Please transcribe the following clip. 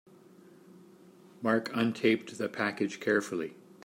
Mark untaped the package carefully.